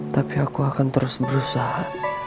tapi aku akan terus berusaha